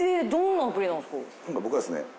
僕はですね。